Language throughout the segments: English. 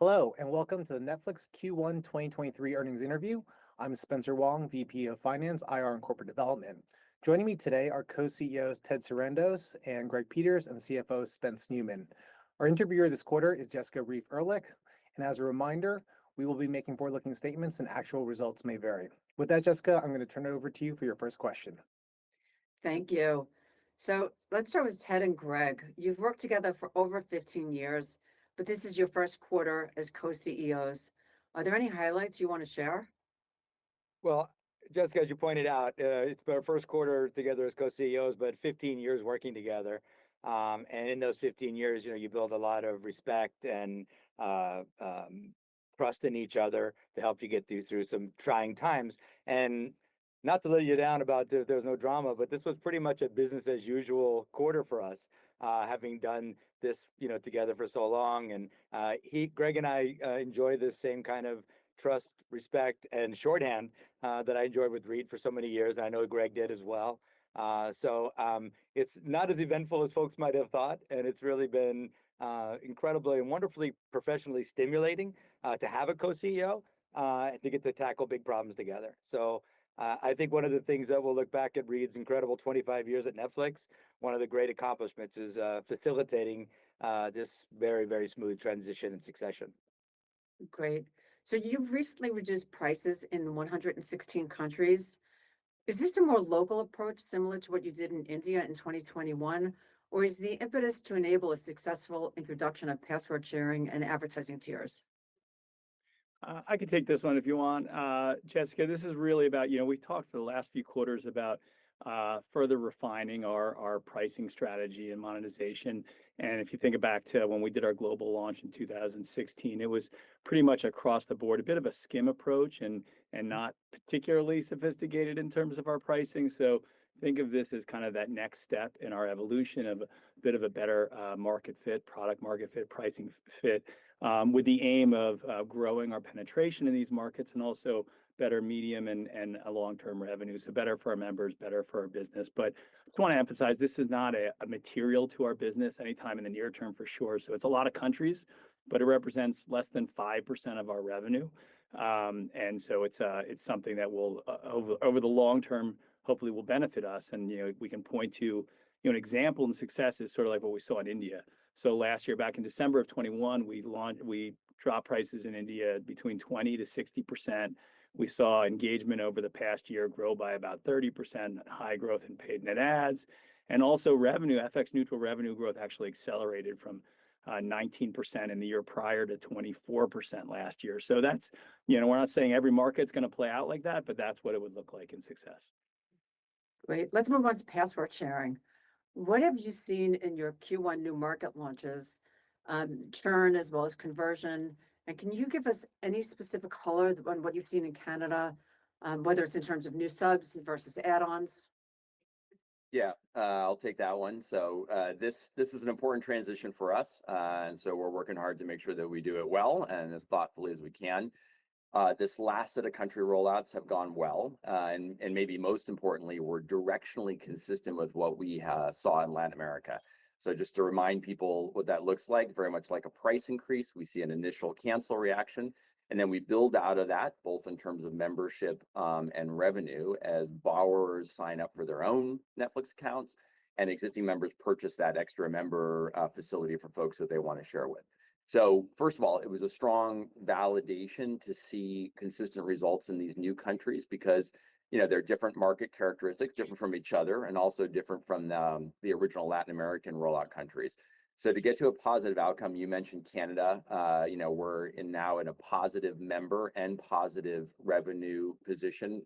Hello and welcome to the Netflix Q1 2023 earnings interview. I'm Spencer Wang, VP of Finance, IR and Corporate Development. Joining me today are Co-CEOs Ted Sarandos and Greg Peters, and CFO Spence Neumann. Our interviewer this quarter is Jessica Reif Ehrlich. As a reminder, we will be making forward-looking statements, and actual results may vary. With that, Jessica, I'm gonna turn it over to you for your first question. Thank you. Let's start with Ted and Greg. You've worked together for over 15 years, but this is your first quarter as Co-CEOs. Are there any highlights you wanna share? Well, Jessica, as you pointed out, it's our first quarter together as co-CEOs, but 15 years working together. In those 15 years, you know, you build a lot of respect and trust in each other to help you get through some trying times. Not to let you down about the there's no drama, but this was pretty much a business as usual quarter for us, having done this, you know, together for so long. Greg and I enjoy the same kind of trust, respect, and shorthand that I enjoyed with Reed for so many years, and I know Greg did as well. It's not as eventful as folks might have thought, and it's really been incredibly and wonderfully professionally stimulating to have a co-CEO and to get to tackle big problems together. I think one of the things that we'll look back at Reed's incredible 25 years at Netflix, one of the great accomplishments is facilitating this very, very smooth transition and succession. Great. You've recently reduced prices in 116 countries. Is this a more local approach similar to what you did in India in 2021, or is the impetus to enable a successful introduction of password sharing and advertising tiers? I can take this one if you want. Jessica, this is really about, you know, we talked for the last few quarters about further refining our pricing strategy and monetization. If you think back to when we did our global launch in 2016, it was pretty much across the board, a bit of a skim approach and not particularly sophisticated in terms of our pricing. Think of this as kind of that next step in our evolution of a bit of a better market fit, product market fit, pricing fit, with the aim of growing our penetration in these markets and also better medium and a long-term revenue, so better for our members, better for our business. Just wanna emphasize this is not a material to our business anytime in the near term for sure. It's a lot of countries, but it represents less than 5% of our revenue. It's something that over the long term hopefully will benefit us. You know, we can point to, you know, an example and success is sorta like what we saw in India. Last year, back in December of 2021, we dropped prices in India between 20%-60%. We saw engagement over the past year grow by about 30%, high growth in paid net adds and also revenue, FX neutral revenue growth actually accelerated from 19% in the year prior to 24% last year. That's, you know, we're not saying every market's gonna play out like that, but that's what it would look like in success. Great. Let's move on to password sharing. What have you seen in your Q1 new market launches, churn as well as conversion? Can you give us any specific color on what you've seen in Canada, whether it's in terms of new subs versus add-ons? Yeah, I'll take that one. This is an important transition for us. We're working hard to make sure that we do it well and as thoughtfully as we can. This last set of country rollouts have gone well. Maybe most importantly, we're directionally consistent with what we saw in Latin America. Just to remind people what that looks like, very much like a price increase. We see an initial cancel reaction, and then we build out of that, both in terms of membership, and revenue as borrowers sign up for their own Netflix accounts and existing members purchase that extra member facility for folks that they wanna share with. First of all, it was a strong validation to see consistent results in these new countries because, you know, they're different market characteristics, different from each other and also different from the original Latin American rollout countries. To get to a positive outcome, you mentioned Canada, you know, we're in now in a positive member and positive revenue position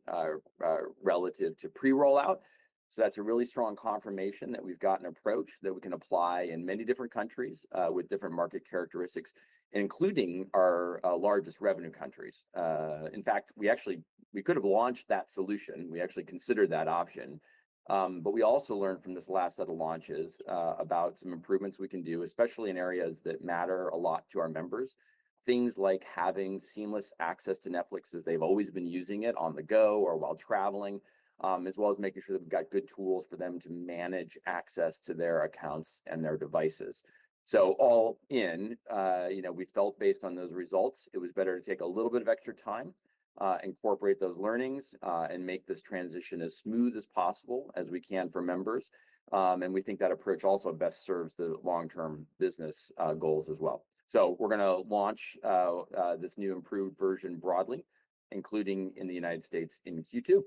relative to pre-rollout. That's a really strong confirmation that we've got an approach that we can apply in many different countries with different market characteristics, including our largest revenue countries. In fact, we could have launched that solution. We actually considered that option. We also learned from this last set of launches about some improvements we can do, especially in areas that matter a lot to our members. Things like having seamless access to Netflix as they've always been using it on the go or while traveling, as well as making sure that we've got good tools for them to manage access to their accounts and their devices. All in, you know, we felt based on those results, it was better to take a little bit of extra time, incorporate those learnings, and make this transition as smooth as possible as we can for members. And we think that approach also best serves the long-term business goals as well. We're gonna launch this new improved version broadly, including in the United States in Q2.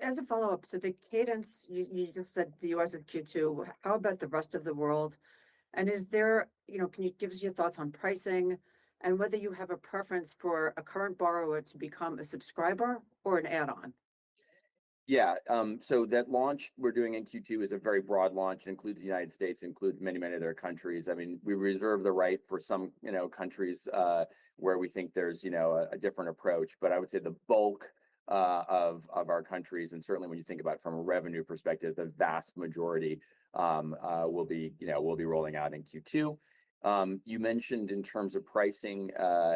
As a follow-up, the cadence, you just said the U.S. in Q2. How about the rest of the world? Is there, you know, can you give us your thoughts on pricing and whether you have a preference for a current borrower to become a subscriber or an add-on? So that launch we're doing in Q2 is a very broad launch, includes the United States, includes many, many other countries. I mean, we reserve the right for some, you know, countries, where we think there's, you know, a different approach. I would say the bulk of our countries, and certainly when you think about from a revenue perspective, the vast majority, we'll be, you know, we'll be rolling out in Q2. You mentioned in terms of pricing,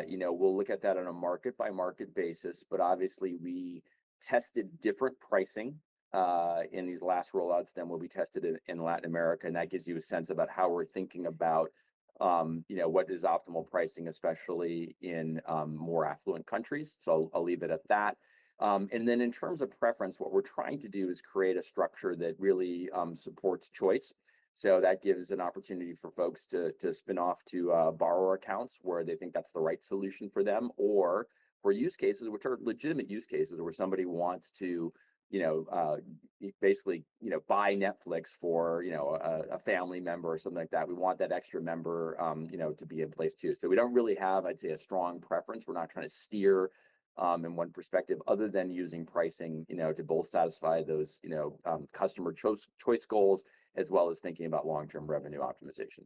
you know, we'll look at that on a market by market basis. Obviously we tested different pricing in these last rollouts than what we tested in Latin America, and that gives you a sense about how we're thinking about, you know, what is optimal pricing, especially in more affluent countries. I'll leave it at that. In terms of preference, what we're trying to do is create a structure that really supports choice. That gives an opportunity for folks to spin off to borrower accounts where they think that's the right solution for them, or for use cases which are legitimate use cases where somebody wants to, you know, basically, you know, buy Netflix for, you know, a family member or something like that. We want that extra member, you know, to be in place too. We don't really have, I'd say, a strong preference. We're not trying to steer in one perspective other than using pricing, you know, to both satisfy those, you know, customer choice goals, as well as thinking about long-term revenue optimization.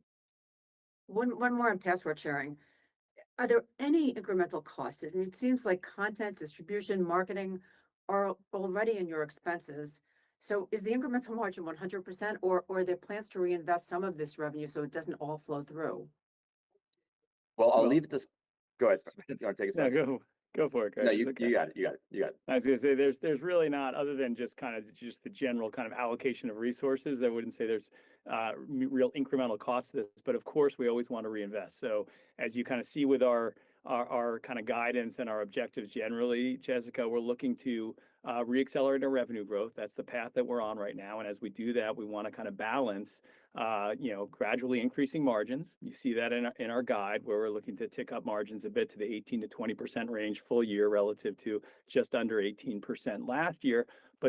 One more on password sharing. Are there any incremental costs? I mean, it seems like content, distribution, marketing are already in your expenses. Is the incremental margin 100%, or are there plans to reinvest some of this revenue so it doesn't all flow through? Well, I'll leave it to... Go ahead, Spence. I'll take a pass. No, go for it, Greg. It's okay. No, you got it. I was gonna say, there's really not, other than just kind of just the general kind of allocation of resources, I wouldn't say there's real incremental cost to this. Of course, we always want to reinvest. As you kind of see with our kind of guidance and our objectives generally, Jessica, we're looking to re-accelerate our revenue growth. That's the path that we're on right now. As we do that, we wanna kind of balance, you know, gradually increasing margins. You see that in our guide, where we're looking to tick up margins a bit to the 18%-20% range full year relative to just under 18% last year.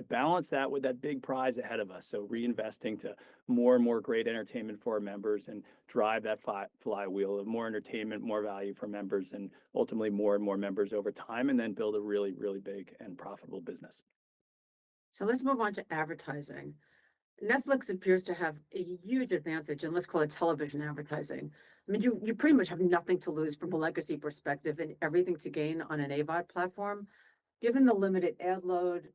Balance that with that big prize ahead of us. Reinvesting to more and more great entertainment for our members and drive that flywheel of more entertainment, more value for members and ultimately more and more members over time, and then build a really, really big and profitable business. Let's move on to advertising. Netflix appears to have a huge advantage in, let's call it television advertising. I mean, you pretty much have nothing to lose from a legacy perspective and everything to gain on an AVOD platform. Given the limited ad load,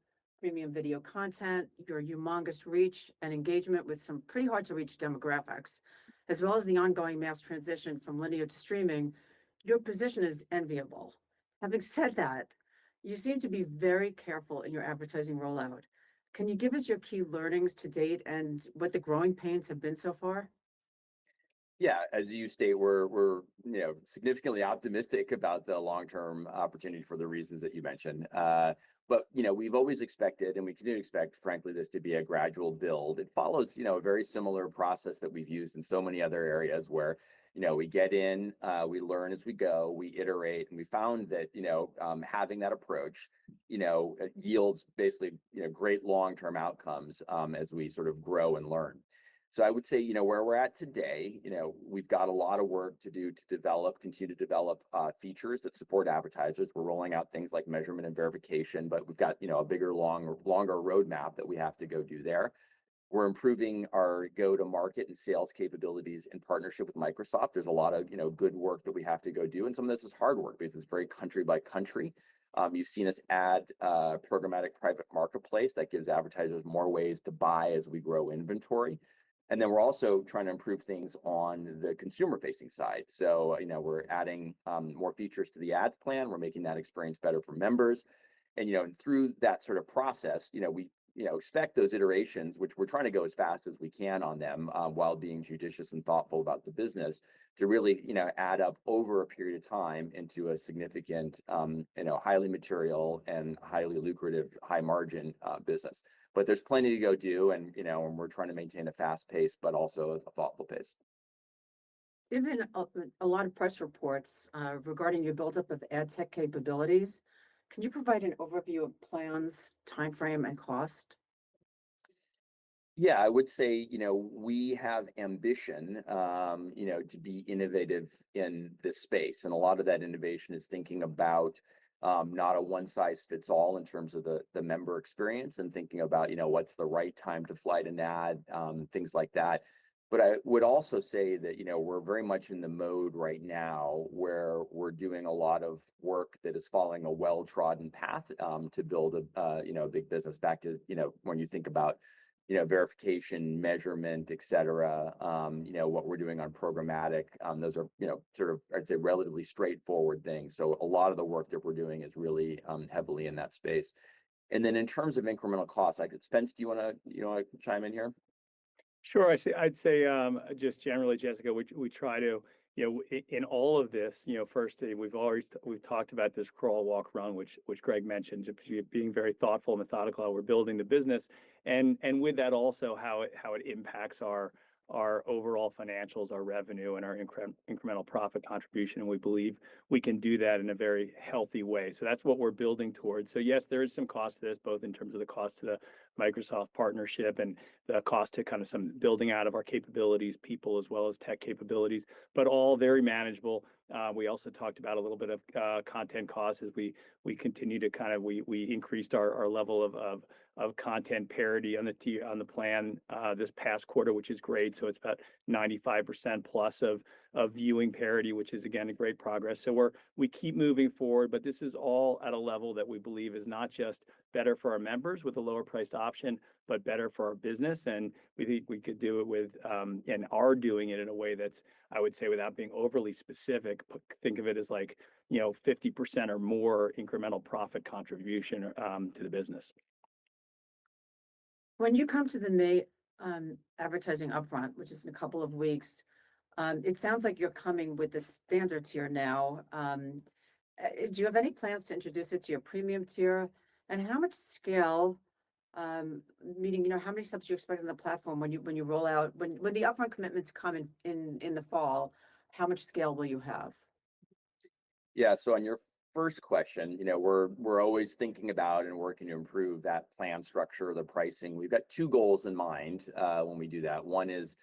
premium video content, your humongous reach and engagement with some pretty hard-to-reach demographics, as well as the ongoing mass transition from linear to streaming, your position is enviable. Having said that, you seem to be very careful in your advertising rollout. Can you give us your key learnings to date and what the growing pains have been so far? Yeah. As you state, we're, you know, significantly optimistic about the long-term opportunity for the reasons that you mentioned. You know, we've always expected, and we continue to expect, frankly, this to be a gradual build. It follows, you know, a very similar process that we've used in so many other areas where, you know, we get in, we learn as we go, we iterate. We found that, you know, having that approach, you know, yields basically, you know, great long-term outcomes as we sort of grow and learn. I would say, you know, where we're at today, you know, we've got a lot of work to do to develop, continue to develop, features that support advertisers. We're rolling out things like measurement and verification. We've got, you know, a bigger long, longer roadmap that we have to go do there. We're improving our go-to-market and sales capabilities in partnership with Microsoft. There's a lot of, you know, good work that we have to go do, and some of this is hard work because it's very country by country. You've seen us add a programmatic private marketplace that gives advertisers more ways to buy as we grow inventory. Then we're also trying to improve things on the consumer-facing side. You know, we're adding, more features to the ad plan. We're making that experience better for members. You know, and through that sort of process, you know, we, you know, expect those iterations, which we're trying to go as fast as we can on them, while being judicious and thoughtful about the business to really, you know, add up over a period of time into a significant, you know, highly material and highly lucrative, high margin business. There's plenty to go do and, you know, and we're trying to maintain a fast pace, but also a thoughtful pace. There have been a lot of press reports, regarding your buildup of ad tech capabilities. Can you provide an overview of plans, timeframe, and cost? Yeah. I would say, you know, we have ambition, you know, to be innovative in this space, and a lot of that innovation is thinking about not a one-size-fits-all in terms of the member experience and thinking about, you know, what's the right time to flight an ad, things like that. I would also say that, you know, we're very much in the mode right now where we're doing a lot of work that is following a well-trodden path to build a, you know, a big business. Back to, you know, when you think about, you know, verification, measurement, et cetera, you know, what we're doing on programmatic, those are, you know, sort of, I'd say, relatively straightforward things. A lot of the work that we're doing is really heavily in that space. In terms of incremental costs, Spence, do you wanna chime in here? Sure. I'd say, just generally, Jessica, we try to, you know, in all of this, you know, firstly, we've always, we've talked about this crawl, walk, run, which Greg mentioned, just being very thoughtful and methodical how we're building the business. With that also how it impacts our overall financials, our revenue, and our incremental profit contribution, and we believe we can do that in a very healthy way. That's what we're building towards. Yes, there is some cost to this, both in terms of the cost to the Microsoft partnership and the cost to kind of some building out of our capabilities, people as well as tech capabilities, but all very manageable. We also talked about a little bit of content costs as we increased our level of content parity on the plan this past quarter, which is great. It's about 95%+ of viewing parity, which is again, a great progress. We keep moving forward, but this is all at a level that we believe is not just better for our members with a lower priced option, but better for our business. We think we could do it with, and are doing it in a way that's, I would say without being overly specific, but think of it as like, you know, 50% or more incremental profit contribution to the business. When you come to the May advertising upfront, which is in a couple of weeks, it sounds like you're coming with the standards tier now. Do you have any plans to introduce it to your premium tier? How much scale, meaning, you know, how many subs do you expect on the platform when you roll out? When the upfront commitments come in the fall, how much scale will you have? On your first question, you know, we're always thinking about and working to improve that plan structure, the pricing. We've got two goals in mind when we do that. One is,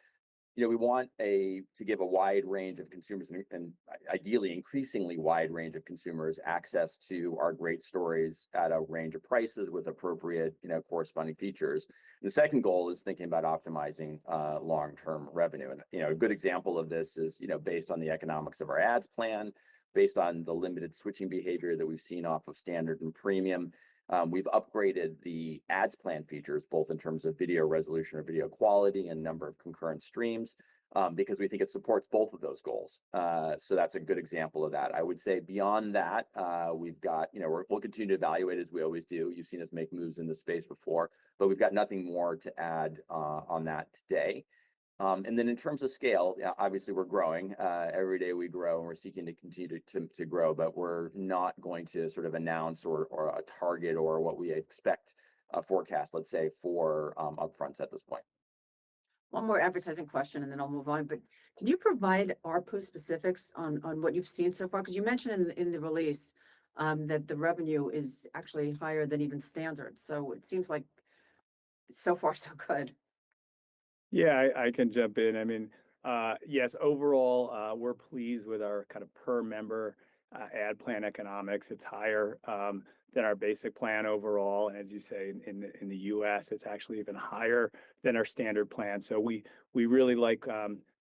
you know, we want to give a wide range of consumers and ideally increasingly wide range of consumers access to our great stories at a range of prices with appropriate, you know, corresponding features. The second goal is thinking about optimizing long-term revenue. You know, a good example of this is, you know, based on the economics of our ads plan, based on the limited switching behavior that we've seen off of standard and premium, we've upgraded the ads plan features both in terms of video resolution or video quality and number of concurrent streams, because we think it supports both of those goals. That's a good example of that. I would say beyond that, we've got. You know, we'll continue to evaluate as we always do. You've seen us make moves in this space before, but we've got nothing more to add on that today. In terms of scale, obviously we're growing. Every day we grow, and we're seeking to continue to grow. But we're not going to sort of announce or a target or what we expect a forecast, let's say, for upfronts at this point. One more advertising question and then I'll move on. Can you provide ARPU specifics on what you've seen so far? Because you mentioned in the release that the revenue is actually higher than even standard. It seems like so far so good. Yeah. I can jump in. I mean, yes, overall, we're pleased with our kind of per member, ad plan economics. It's higher than our basic plan overall. As you say, in the U.S., it's actually even higher than our standard plan. We really like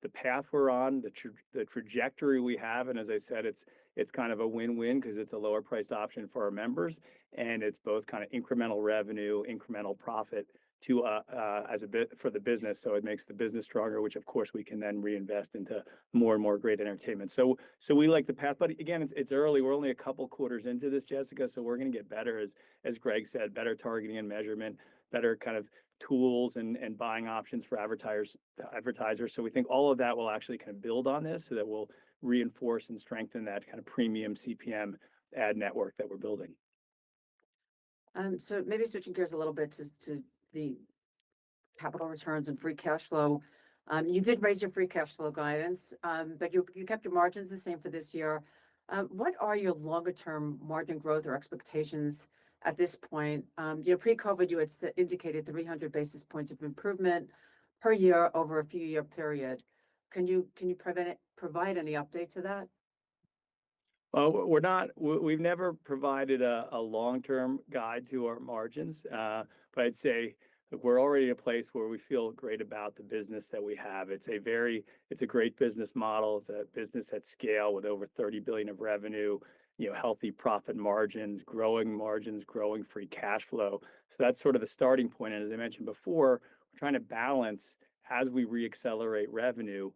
the path we're on, the trajectory we have. As I said, it's kind of a win-win 'cause it's a lower priced option for our members, and it's both kinda incremental revenue, incremental profit to for the business, so it makes the business stronger, which of course we can then reinvest into more and more great entertainment. We like the path. Again, it's early. We're only a couple quarters into this, Jessica, so we're gonna get better, as Greg said, better targeting and measurement, better kind of tools and buying options for advertisers. We think all of that will actually kinda build on this, so that will reinforce and strengthen that kind of premium CPM ad network that we're building. Maybe switching gears a little bit to the capital returns and free cash flow. You did raise your free cash flow guidance, but you kept your margins the same for this year. What are your longer term margin growth or expectations at this point? You know, pre-COVID you had indicated 300 basis points of improvement per year over a few year period. Can you provide any update to that? Well, we've never provided a long-term guide to our margins. I'd say look, we're already in a place where we feel great about the business that we have. It's a great business model. It's a business at scale with over $30 billion of revenue, you know, healthy profit margins, growing margins, growing free cash flow. That's sort of the starting point. As I mentioned before, we're trying to balance as we re-accelerate revenue,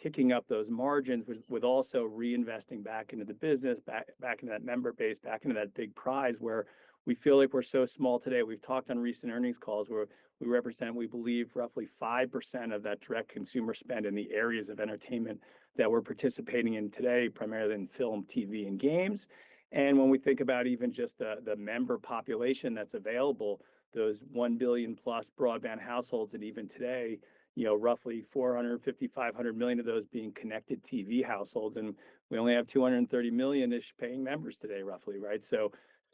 ticking up those margins with also reinvesting back into the business, back into that member base, back into that big prize where we feel like we're so small today. We've talked on recent earnings calls where we represent, we believe, roughly 5% of that direct consumer spend in the areas of entertainment that we're participating in today, primarily in film, TV, and games. When we think about even just the member population that's available, those 1 billion+ broadband households, and even today, you know, roughly 450 million-500 million of those being connected TV households, and we only have 230 million-ish paying members today, roughly, right.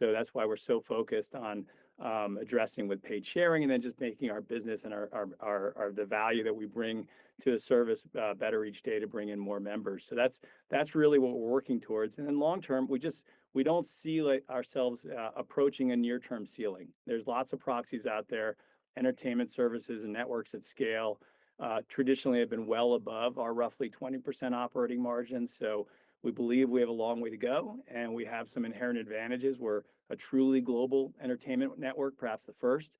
That's why we're so focused on addressing with paid sharing and then just making our business and our the value that we bring to the service better each day to bring in more members. That's really what we're working towards. Long term, we just, we don't see, like, ourselves approaching a near-term ceiling. There's lots of proxies out there. Entertainment services and networks at scale, traditionally have been well above our roughly 20% operating margin. We believe we have a long way to go, and we have some inherent advantages. We're a truly global entertainment network, perhaps the first,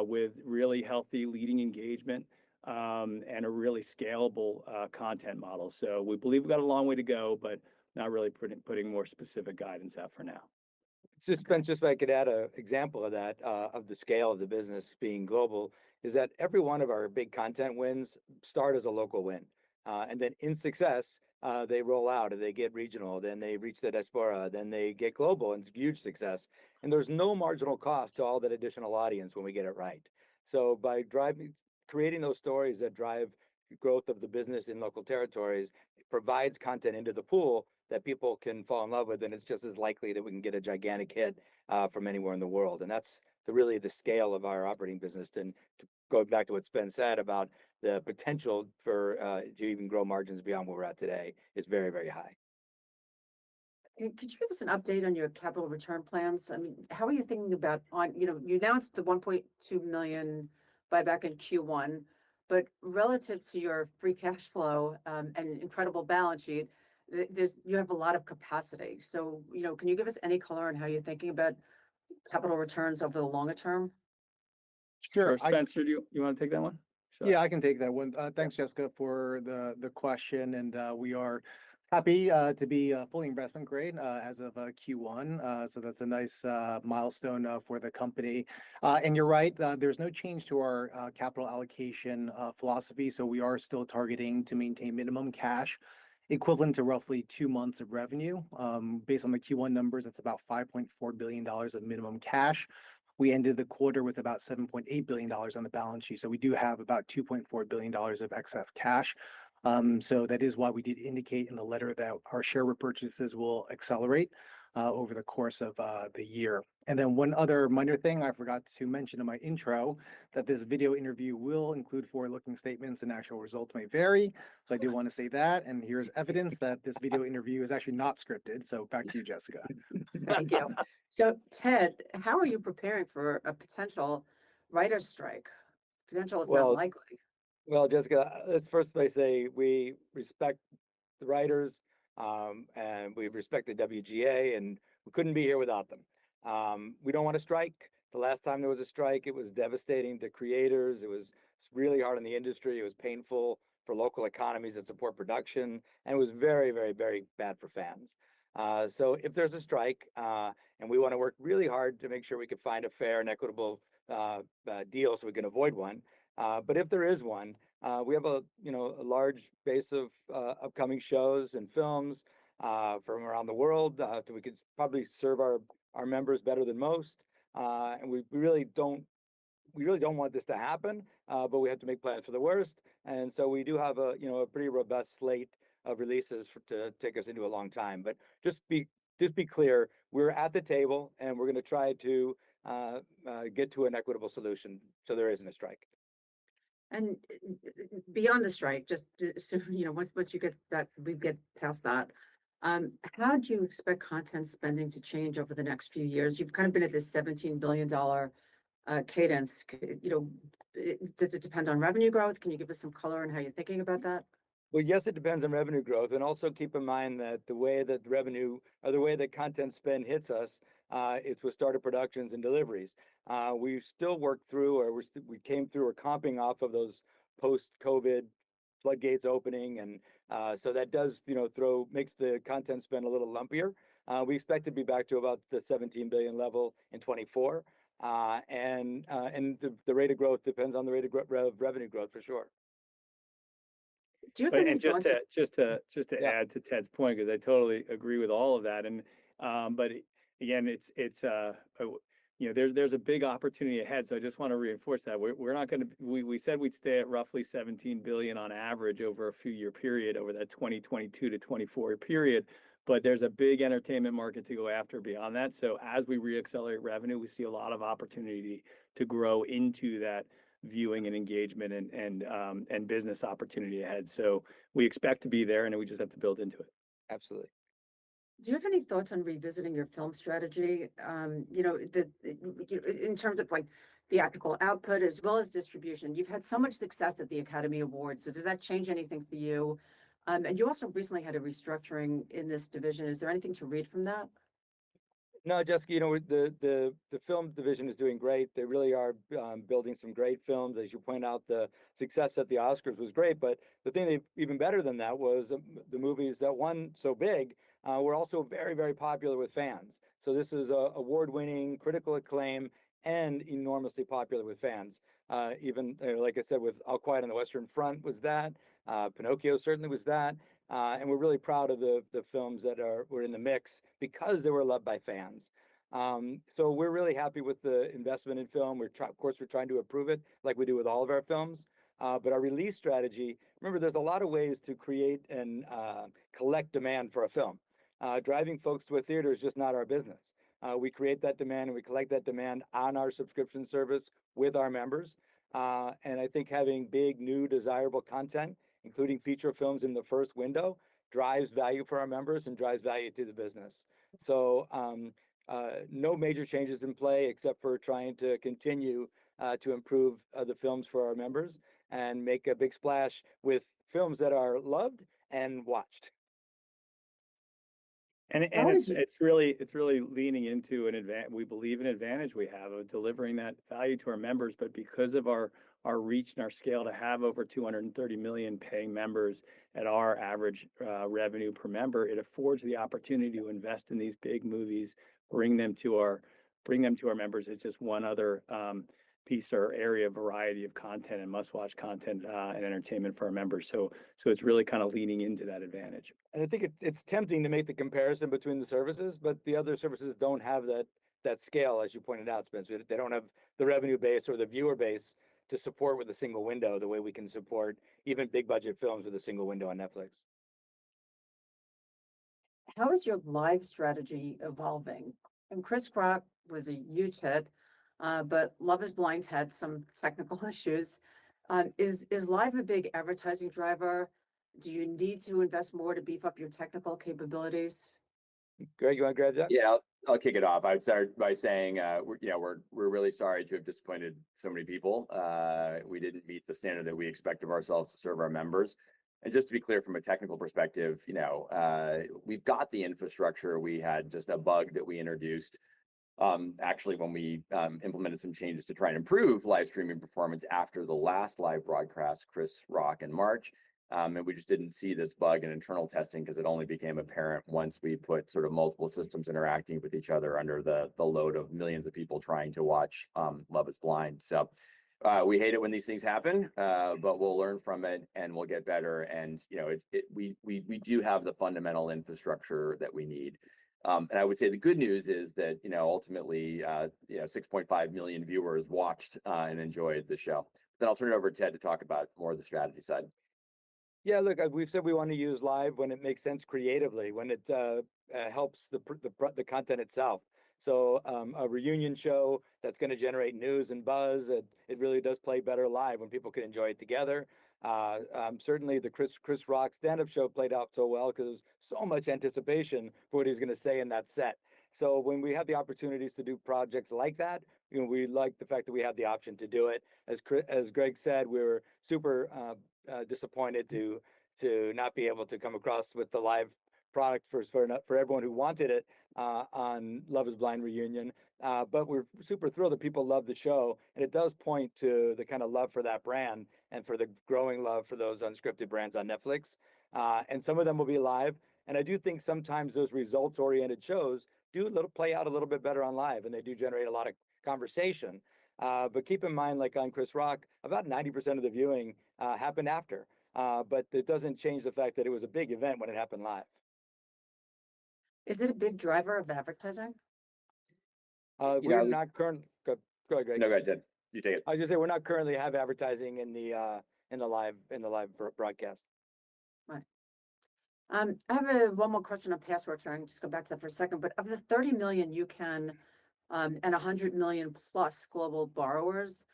with really healthy leading engagement, and a really scalable content model. We believe we've got a long way to go, but not really putting more specific guidance out for now. Just, Spence, just if I could add a example of that, of the scale of the business being global, is that every one of our big content wins start as a local win. Then in success, they roll out and they get regional, then they reach the diaspora, then they get global, and it's huge success. There's no marginal cost to all that additional audience when we get it right. By creating those stories that drive growth of the business in local territories, it provides content into the pool that people can fall in love with, and it's just as likely that we can get a gigantic hit, from anywhere in the world. That's the really the scale of our operating business. To go back to what Spence said about the potential for to even grow margins beyond where we're at today is very, very high. Could you give us an update on your capital return plans? I mean, how are you thinking about? You know, you announced the $1.2 million buyback in Q1, but relative to your free cash flow, and incredible balance sheet, You have a lot of capacity. You know, can you give us any color on how you're thinking about capital returns over the longer term? Sure. Spencer, do you wanna take that one? Sure. Yeah, I can take that one. Thanks Jessica for the question, we are happy to be fully investment grade as of Q1. That's a nice milestone for the company. You're right. There's no change to our capital allocation philosophy, so we are still targeting to maintain minimum cash equivalent to roughly two months of revenue. Based on the Q1 numbers, that's about $5.4 billion of minimum cash. We ended the quarter with about $7.8 billion on the balance sheet, so we do have about $2.4 billion of excess cash. That is why we did indicate in the letter that our share repurchases will accelerate over the course of the year. One other minor thing I forgot to mention in my intro, that this video interview will include forward-looking statements and actual results may vary. Sure. I do wanna say that this video interview is actually not scripted, so back to you, Jessica. Thank you. Ted, how are you preparing for a potential writers strike? Well- ...it's not likely. Well, Jessica, let's first may I say we respect the writers, and we respect the WGA, and we couldn't be here without them. We don't want a strike. The last time there was a strike, it was devastating to creators. It was really hard on the industry. It was painful for local economies that support production, and it was very, very, very bad for fans. If there's a strike, and we wanna work really hard to make sure we can find a fair and equitable deal so we can avoid one. If there is one, we have a, you know, a large base of upcoming shows and films from around the world that we could probably serve our members better than most. We really don't want this to happen, but we have to make plans for the worst. We do have a, you know, a pretty robust slate of releases for, to take us into a long time. Just be clear, we're at the table, and we're gonna try to get to an equitable solution so there isn't a strike. Beyond the strike, just, you know, once you get that, we get past that, how do you expect content spending to change over the next few years? You've kind of been at this $17 billion cadence. You know, does it depend on revenue growth? Can you give us some color on how you're thinking about that? Well, yes, it depends on revenue growth. Also keep in mind that the way that revenue, or the way that content spend hits us, it's with starter productions and deliveries. We still work through or we came through or comping off of those post-COVID flood gates opening, that does, you know, makes the content spend a little lumpier. We expect to be back to about the $17 billion level in 2024. The rate of growth depends on the rate of revenue growth, for sure. Do you have any thoughts? If I can just to-. Yeah ...just to add to Ted's point, 'cause I totally agree with all of that. But again, it's a, you know, there's a big opportunity ahead, so I just wanna reinforce that. We're not gonna. We said we'd stay at roughly $17 billion on average over a few year period, over that 2022-2024 period, but there's a big entertainment market to go after beyond that. As we re-accelerate revenue, we see a lot of opportunity to grow into that viewing and engagement and business opportunity ahead. We expect to be there, and then we just have to build into it. Absolutely. Do you have any thoughts on revisiting your film strategy? You know, in terms of, like, theatrical output as well as distribution. You've had so much success at the Academy Awards, does that change anything for you? You also recently had a restructuring in this division. Is there anything to read from that? No, Jessica, you know, the film division is doing great. They really are building some great films. As you point out, the success at the Oscars was great, but the thing they, even better than that was, the movies that won so big, were also very, very popular with fans. This is, award-winning, critical acclaim, and enormously popular with fans. Even, like I said, with All Quiet on the Western Front was that. Pinocchio certainly was that. And we're really proud of the films that were in the mix because they were loved by fans. We're really happy with the investment in film. Of course we're trying to improve it, like we do with all of our films. Our release strategy, remember, there's a lot of ways to create and collect demand for a film. Driving folks to a theater is just not our business. We create that demand, and we collect that demand on our subscription service with our members. I think having big, new, desirable content, including feature films in the first window, drives value for our members and drives value to the business. No major changes in play except for trying to continue to improve the films for our members and make a big splash with films that are loved and watched. And, and it's- How would you- ...it's really leaning into an advantage we believe, an advantage we have of delivering that value to our members. Because of our reach and our scale to have over 230 million paying members at our average revenue per member, it affords the opportunity to invest in these big movies, bring them to our members. It's just one other piece or area of variety of content and must-watch content and entertainment for our members. It's really kinda leaning into that advantage. I think it's tempting to make the comparison between the services, but the other services don't have that scale, as you pointed out, Spencer. They don't have the revenue base or the viewer base to support with a single window the way we can support even big budget films with a single window on Netflix. How is your live strategy evolving? Chris Rock was a huge hit. Love Is Blind had some technical issues. Is live a big advertising driver? Do you need to invest more to beef up your technical capabilities? Greg, you wanna grab that? Yeah, I'll kick it off. I would start by saying, you know, we're really sorry to have disappointed so many people. We didn't meet the standard that we expect of ourselves to serve our members. Just to be clear from a technical perspective, you know, we've got the infrastructure. We had just a bug that we introduced, actually when we implemented some changes to try and improve live streaming performance after the last live broadcast, Chris Rock in March. We just didn't see this bug in internal testing 'cause it only became apparent once we put sort of multiple systems interacting with each other under the load of millions of people trying to watch Love Is Blind. We hate it when these things happen, we'll learn from it and we'll get better and, you know, we do have the fundamental infrastructure that we need. I would say the good news is that, you know, ultimately, you know, 6.5 million viewers watched and enjoyed the show. I'll turn it over to Ted to talk about more of the strategy side. Yeah, look, we've said we wanna use Live when it makes sense creatively, when it helps the content itself. A reunion show that's gonna generate news and buzz, it really does play better live when people can enjoy it together. Certainly the Chris Rock stand-up show played out so well because there was so much anticipation for what he was gonna say in that set. When we have the opportunities to do projects like that, you know, we like the fact that we have the option to do it. As Greg said, we're super disappointed to not be able to come across with the live product first fair enough for everyone who wanted it on Love Is Blind reunion. We're super thrilled that people love the show, and it does point to the kinda love for that brand and for the growing love for those unscripted brands on Netflix. Some of them will be live. I do think sometimes those results-oriented shows do a little play out a little bit better on live, and they do generate a lot of conversation. Keep in mind, like on Chris Rock, about 90% of the viewing happened after. It doesn't change the fact that it was a big event when it happened live. Is it a big driver of advertising? We are not. You know- Go, go, Greg. No, go ahead, Ted. You take it. I was gonna say we're not currently have advertising in the live broadcast. Right. I have one more question on password sharing. Just go back to that for a second. Of the 30 million you can, and 100 million+ global borrowers,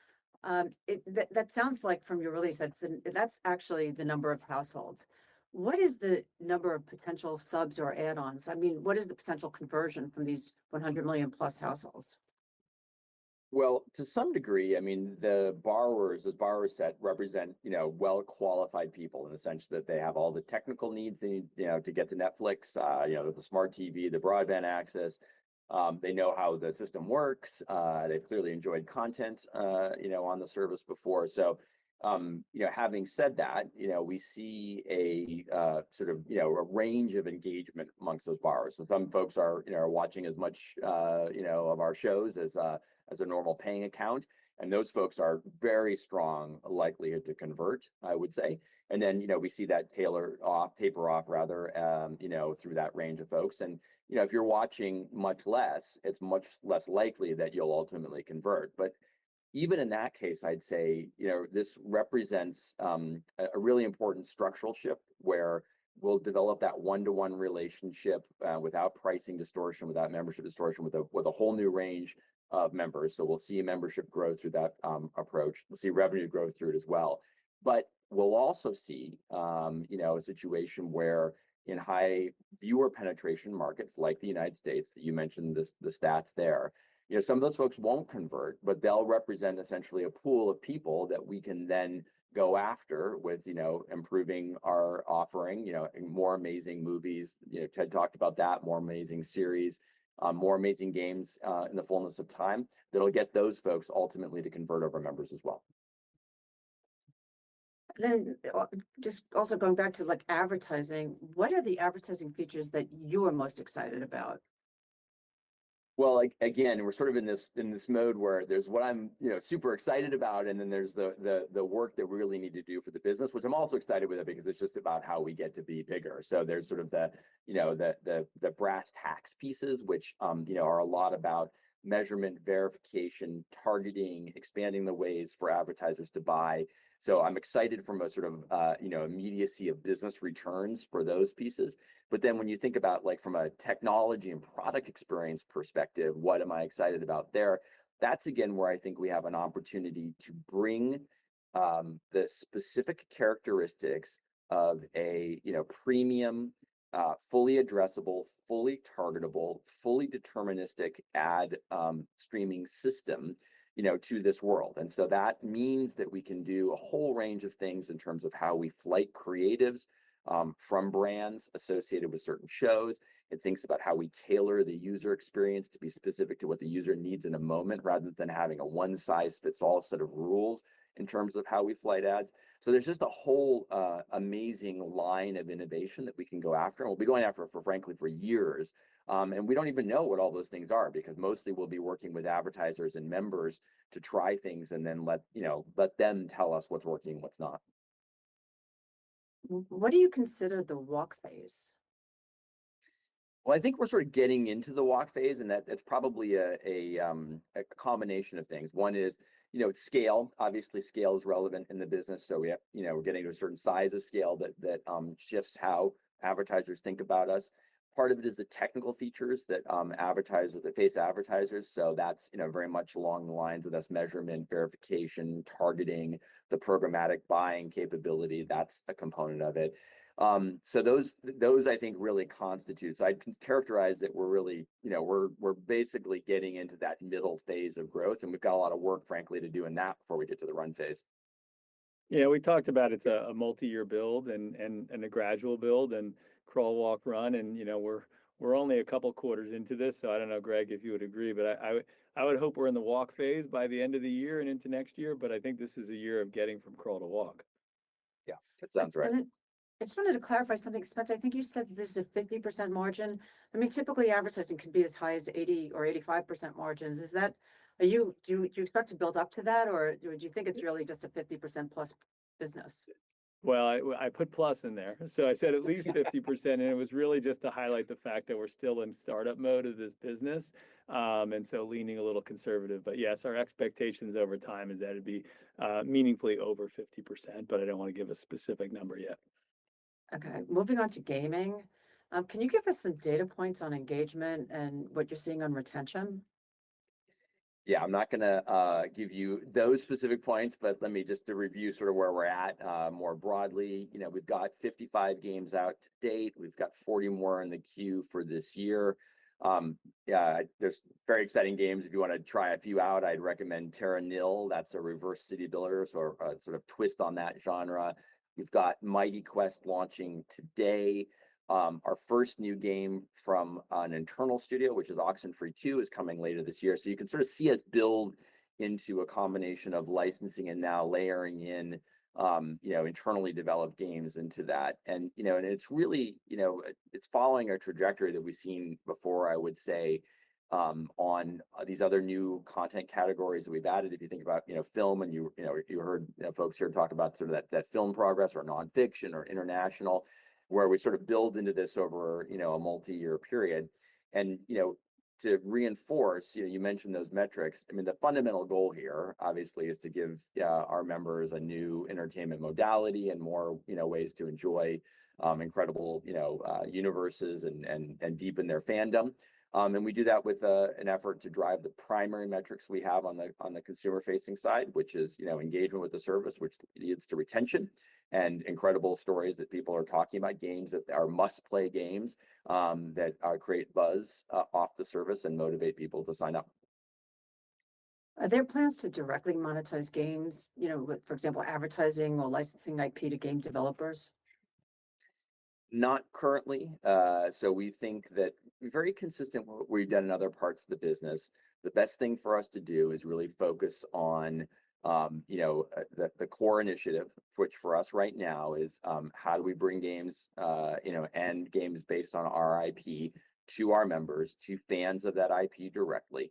that sounds like from your release, that's actually the number of households. What is the number of potential subs or add-ons? I mean, what is the potential conversion from these 100 million+ households? Well, to some degree, I mean, the borrowers, this borrower set represent, you know, well-qualified people in the sense that they have all the technical needs they need, you know, to get to Netflix, you know, the smart TV, the broadband access. They know how the system works. They've clearly enjoyed content, you know, on the service before. You know, having said that, you know, we see a sort of, you know, a range of engagement amongst those borrowers. Some folks are, you know, are watching as much, you know, of our shows as a normal paying account, and those folks are very strong likelihood to convert, I would say. Then, you know, we see that tailor off, taper off rather, you know, through that range of folks. You know, if you're watching much less, it's much less likely that you'll ultimately convert. Even in that case, I'd say, you know, this represents a really important structural shift where we'll develop that one-to-one relationship without pricing distortion, without membership distortion, with a whole new range of members. We'll see a membership grow through that approach. We'll see revenue growth through it as well. We'll also see, you know, a situation where in high viewer penetration markets like the United States that you mentioned this, the stats there, you know, some of those folks won't convert, but they'll represent essentially a pool of people that we can then go after with, you know, improving our offering, you know, more amazing movies. You know, Ted talked about that, more amazing series, more amazing games, in the fullness of time that'll get those folks ultimately to convert over members as well. Just also going back to like advertising, what are the advertising features that you are most excited about? Well, again, we're sort of in this mode where there's what I'm, you know, super excited about, and then there's the work that we really need to do for the business, which I'm also excited with it because it's just about how we get to be bigger. There's sort of the, you know, the brass tacks pieces, which, you know, are a lot about measurement, verification, targeting, expanding the ways for advertisers to buy. I'm excited from a sort of, you know, immediacy of business returns for those pieces. When you think about like from a technology and product experience perspective, what am I excited about there? That's again where I think we have an opportunity to bring, the specific characteristics of a, you know, premium, fully addressable, fully targetable, fully deterministic ad, streaming system, you know, to this world. That means that we can do a whole range of things in terms of how we flight creatives, from brands associated with certain shows. It thinks about how we tailor the user experience to be specific to what the user needs in a moment, rather than having a one-size-fits-all set of rules in terms of how we flight ads. There's just a whole, amazing line of innovation that we can go after, and we'll be going after it for, frankly, for years. We don't even know what all those things are because mostly we'll be working with advertisers and members to try things and then let them tell us what's working and what's not. What do you consider the walk phase? I think we're sort of getting into the walk phase and that it's probably a combination of things. One is, you know, it's scale. Obviously, scale is relevant in the business. We have, you know, we're getting to a certain size of scale that shifts how advertisers think about us. Part of it is the technical features that advertisers, that face advertisers. That's, you know, very much along the lines of this measurement, verification, targeting, the programmatic buying capability. That's a component of it. Those I think really constitutes... I'd characterize it, we're really, you know, we're basically getting into that middle phase of growth, and we've got a lot of work, frankly, to do in that before we get to the run phase. Yeah, we talked about it's a multi-year build and a gradual build, and crawl, walk, run, and, you know, we're only a couple quarters into this, so I don't know, Greg, if you would agree, but I would hope we're in the walk phase by the end of the year and into next year. I think this is a year of getting from crawl to walk. Yeah. That sounds right. I just wanted to clarify something. Spence, I think you said that this is a 50% margin. I mean, typically advertising can be as high as 80% or 85% margins. Is that... Are you... Do you expect to build up to that or do you think it's really just a 50%+ business? Well, I put plus in there, so I said at least 50%. It was really just to highlight the fact that we're still in startup mode of this business, and so leaning a little conservative. Yes, our expectation over time is that it'd be meaningfully over 50%, but I don't wanna give a specific number yet. Moving on to gaming. Can you give us some data points on engagement and what you're seeing on retention? I'm not gonna give you those specific points, but let me just to review sort of where we're at more broadly. You know, we've got 55 games out to date. We've got 40 more in the queue for this year. There's very exciting games. If you wanna try a few out, I'd recommend Terra Nil. That's a reverse city builder, so a sort of twist on that genre. We've got Mighty Quest launching today. Our first new game from an internal studio, which is OXENFREE II, is coming later this year. You can sort of see us build into a combination of licensing and now layering in, you know, internally developed games into that. You know, and it's really, you know, it's following a trajectory that we've seen before, I would say, on these other new content categories that we've added. If you think about, you know, film and you know, you heard, you know, folks here talk about sort of that film progress or non-fiction or international, where we sort of build into this over, you know, a multi-year period. You know, to reinforce, you know, you mentioned those metrics. I mean, the fundamental goal here, obviously, is to give, yeah, our members a new entertainment modality and more, you know, ways to enjoy incredible, you know, universes and deepen their fandom. We do that with an effort to drive the primary metrics we have on the, on the consumer-facing side, which is, you know, engagement with the service, which leads to retention and incredible stories that people are talking about, games that are must-play games, that create buzz off the service and motivate people to sign up. Are there plans to directly monetize games, you know, with, for example, advertising or licensing IP to game developers? Not currently. We think that very consistent what we've done in other parts of the business, the best thing for us to do is really focus on, you know, the core initiative, which for us right now is how do we bring games, you know, and games based on our IP to our members, to fans of that IP directly.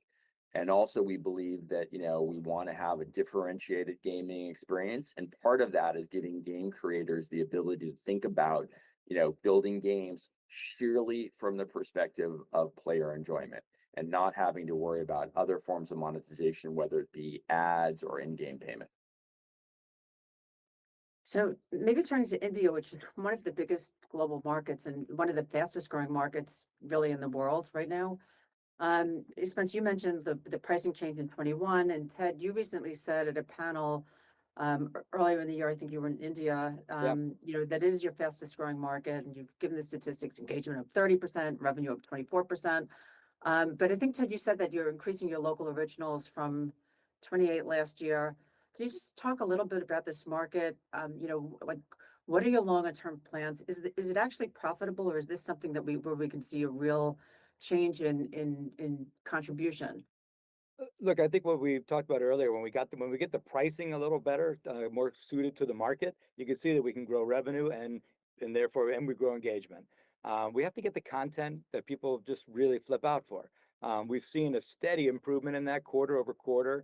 We believe that, you know, we wanna have a differentiated gaming experience and part of that is giving game creators the ability to think about, you know, building games sheerly from the perspective of player enjoyment, and not having to worry about other forms of monetization, whether it be ads or in-game payment. Maybe turning to India, which is one of the biggest global markets and one of the fastest-growing markets really in the world right now. Spence, you mentioned the pricing change in 2021. Ted, you recently said at a panel earlier in the year, I think you were in India. Yeah you know, that it is your fastest growing market and you've given the statistics, engagement up 30%, revenue up 24%. I think, Ted, you said that you're increasing your local originals from 28% last year. Can you just talk a little bit about this market? you know, like, what are your longer term plans? Is it actually profitable or is this something that we, where we can see a real change in contribution? Look, I think what we talked about earlier, when we get the pricing a little better, more suited to the market, you can see that we can grow revenue and therefore, and we grow engagement. We have to get the content that people just really flip out for. We've seen a steady improvement in that quarter-over-quarter,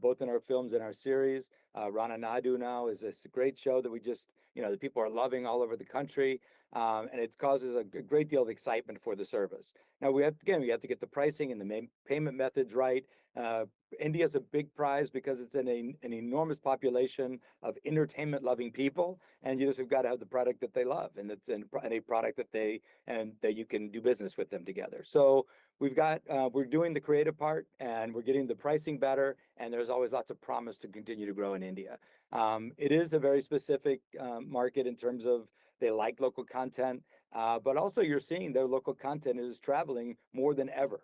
both in our films and our series. Rana Naidu now is this great show that we just, you know, that people are loving all over the country. It causes a great deal of excitement for the service. Now, we have, again, we have to get the pricing and the payment methods right. India's a big prize because it's an enormous population of entertainment-loving people, and you just have got to have the product that they love, and it's and a product that they and that you can do business with them together. We've got, we're doing the creative part and we're getting the pricing better, and there's always lots of promise to continue to grow in India. It is a very specific market in terms of they like local content, but also you're seeing their local content is traveling more than ever.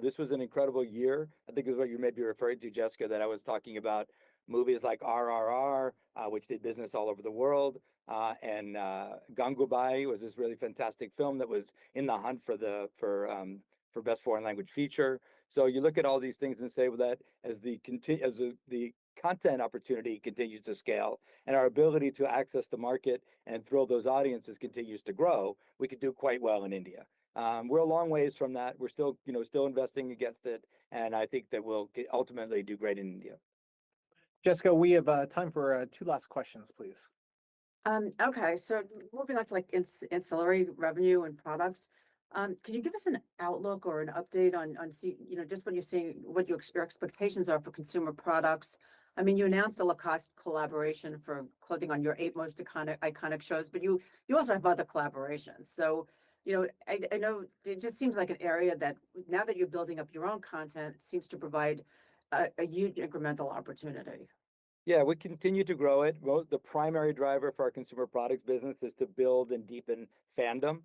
This was an incredible year. I think it was what you may be referring to, Jessica, that I was talking about movies like RRR, which did business all over the world, and Gangubai was this really fantastic film that was in the hunt for the, for Best International Feature Film. You look at all these things and say that as the content opportunity continues to scale and our ability to access the market and thrill those audiences continues to grow, we could do quite well in India. We're a long ways from that. We're still, you know, still investing against it, and I think that we'll ultimately do great in India. Jessica, we have time for two last questions, please. Okay. Moving on to like ancillary revenue and products, can you give us an outlook or an update on you know, just what you're seeing, what your expectations are for consumer products? I mean, you announced the Lacoste collaboration for clothing on your eight most iconic shows, but you also have other collaborations. You know, I know it just seems like an area that now that you're building up your own content seems to provide a huge incremental opportunity. Yeah, we continue to grow it. Well, the primary driver for our consumer products business is to build and deepen fandom.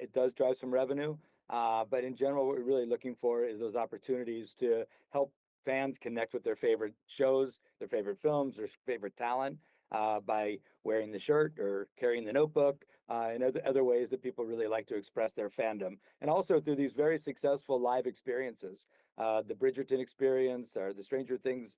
It does drive some revenue, but in general, what we're really looking for is those opportunities to Fans connect with their favorite shows, their favorite films, their favorite talent, by wearing the shirt or carrying the notebook, and other ways that people really like to express their fandom. Also through these very successful live experiences. The Bridgerton experience or the Stranger Things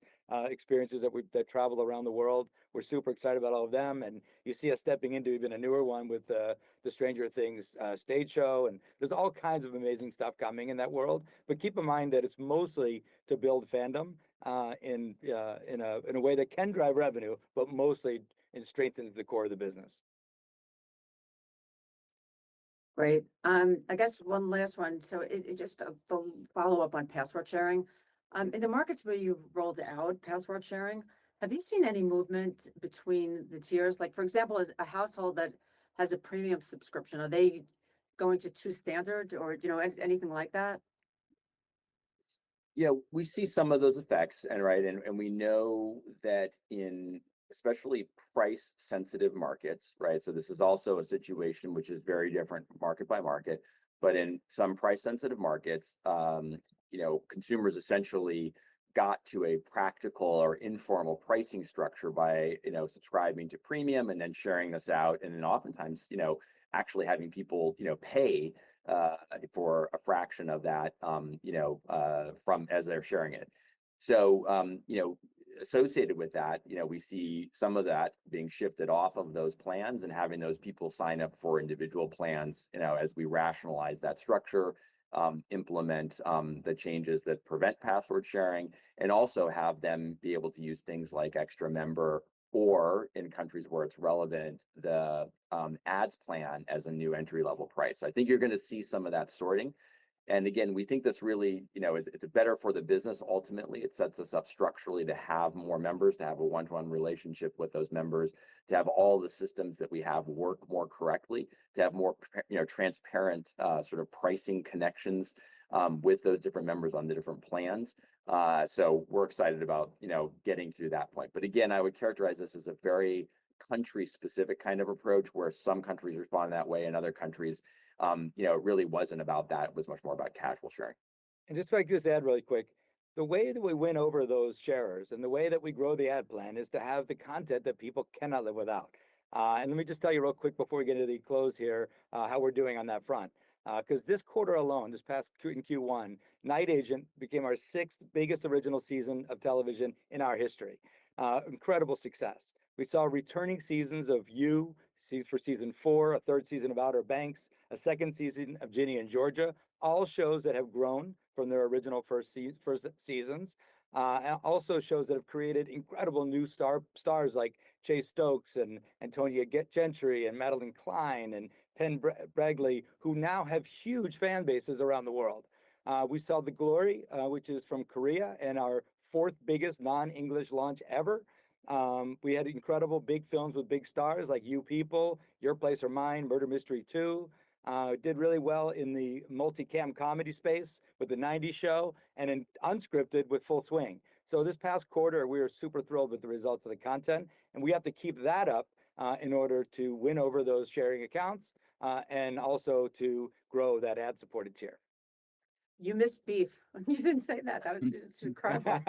experiences that travel around the world. We're super excited about all of them, and you see us stepping into even a newer one with the Stranger Things stage show, and there's all kinds of amazing stuff coming in that world. Keep in mind that it's mostly to build fandom, in a way that can drive revenue, but mostly it strengthens the core of the business. Great. I guess one last one. It just we'll follow up on password sharing. In the markets where you've rolled out password sharing, have you seen any movement between the tiers? Like for example, as a household that has a premium subscription, are they going to two standard or, you know, anything like that? We see some of those effects and, right, and we know that in especially price-sensitive markets, you know, consumers essentially got to a practical or informal pricing structure by, you know, subscribing to premium and then sharing this out, and then oftentimes, you know, actually having people, you know, pay for a fraction of that, you know, from, as they're sharing it. Associated with that, you know, we see some of that being shifted off of those plans and having those people sign up for individual plans, you know, as we rationalize that structure, implement the changes that prevent password sharing and also have them be able to use things like extra member or in countries where it's relevant, the ads plan as a new entry-level price. I think you're gonna see some of that sorting. Again, we think this really, you know, it's better for the business ultimately. It sets us up structurally to have more members, to have a one-to-one relationship with those members, to have all the systems that we have work more correctly, to have more you know, transparent, sort of pricing connections with those different members on the different plans. We're excited about, you know, getting through that point. Again, I would characterize this as a very country-specific kind of approach where some countries respond that way and other countries, you know, it really wasn't about that, it was much more about casual sharing. Just if I could just add really quick, the way that we win over those sharers and the way that we grow the ad plan is to have the content that people cannot live without. Let me just tell you real quick before we get to the close here, how we're doing on that front. 'Cause this quarter alone, this past in Q1, Night Agent became our sixth biggest original season of television in our history. Incredible success. We saw returning seasons of You, for season 4, a third season of Outer Banks, a second season of Ginny & Georgia, all shows that have grown from their original first seasons. Also shows that have created incredible new stars like Chase Stokes and Antonia Gentry and Madelyn Cline and Penn Badgley, who now have huge fan bases around the world. We saw The Glory, which is from Korea and our fourth biggest non-English launch ever. We had incredible big films with big stars like You People, Your Place or Mine, Murder Mystery 2. Did really well in the multi-cam comedy space with That '90s Show and in unscripted with Full Swing. This past quarter, we are super thrilled with the results of the content, and we have to keep that up in order to win over those sharing accounts and also to grow that ad-supported tier. You missed Beef. You didn't say that. That was just incredible.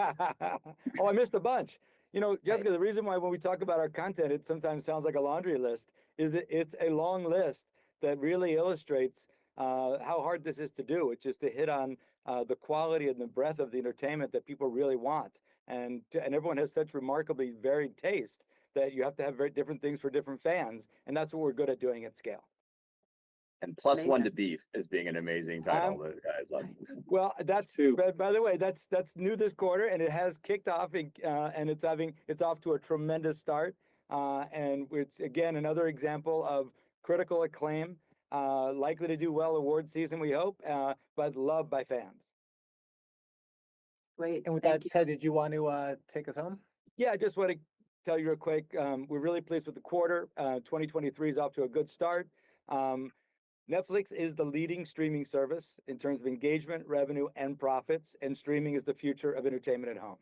Oh, I missed a bunch. You know, Jessica- Right -the reason why when we talk about our content, it sometimes sounds like a laundry list, it's a long list that really illustrates, how hard this is to do, which is to hit on, the quality and the breadth of the entertainment that people really want. Everyone has such remarkably varied taste that you have to have very different things for different fans, and that's what we're good at doing at scale. Amazing. Plus one to Beef as being an amazing title that guys love. Well, Two. By the way, that's new this quarter, and it has kicked off in. It's off to a tremendous start. It's again, another example of critical acclaim, likely to do well award season, we hope, but loved by fans. Great. Thank you. With that, Ted, did you want to take us home? Yeah, I just wanna tell you real quick, we're really pleased with the quarter. 2023's off to a good start. Netflix is the leading streaming service in terms of engagement, revenue, and profits. Streaming is the future of entertainment at home.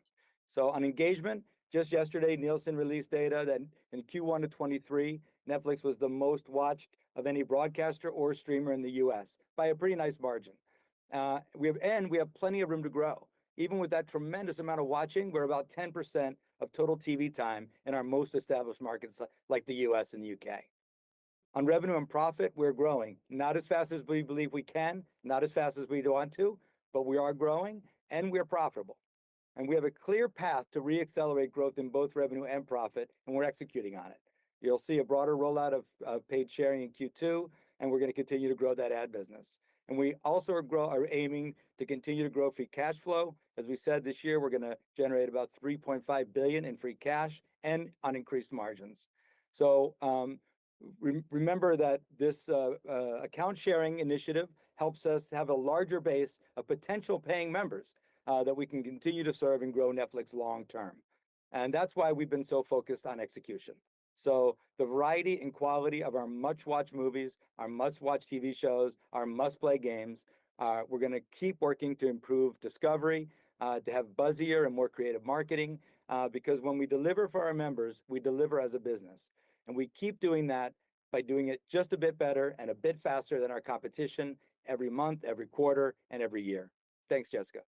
On engagement, just yesterday, Nielsen released data that in Q1 of 2023, Netflix was the most watched of any broadcaster or streamer in the U.S. by a pretty nice margin. We have plenty of room to grow. Even with that tremendous amount of watching, we're about 10% of total TV time in our most established markets like the U.S. and the U.K. On revenue and profit, we're growing. Not as fast as we believe we can, not as fast as we'd want to. We are growing and we are profitable. We have a clear path to re-accelerate growth in both revenue and profit, and we're executing on it. You'll see a broader rollout of paid sharing in Q2, and we're gonna continue to grow that ad business. We also are aiming to continue to grow free cash flow. As we said this year, we're gonna generate about $3.5 billion in free cash and on increased margins. Remember that this account sharing initiative helps us have a larger base of potential paying members that we can continue to serve and grow Netflix long term. That's why we've been so focused on execution. The variety and quality of our must-watch movies, our must-watch TV shows, our must-play games, we're gonna keep working to improve discovery, to have buzzier and more creative marketing, because when we deliver for our members, we deliver as a business. We keep doing that by doing it just a bit better and a bit faster than our competition every month, every quarter, and every year. Thanks, Jessica.